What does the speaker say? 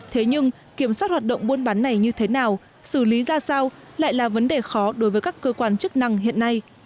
thế nhưng kiểm soát hoạt động buôn bán này như thế nào xử lý ra sao lại là vấn đề khó đối với các cơ quan chức năng hiện nay